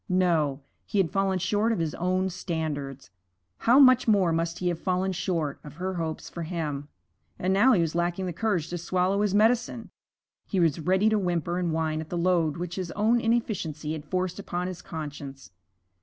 No, he had fallen short of his own standards. How much more must he have fallen short of her hopes for him! And now he was lacking the courage to swallow his medicine. He was ready to whimper and whine at the load which his own inefficiency had forced upon his conscience.